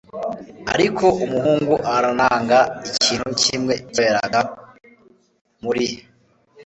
ariko umuhungu aranga. ikintu kimwe cyaberaga muri